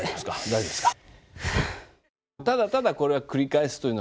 大丈夫ですか？